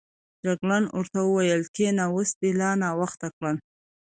جګړن ورته وویل کېنه، اوس دې لا ناوخته کړ.